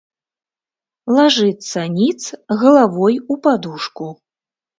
Лажыцца ніц, галавой у падушку.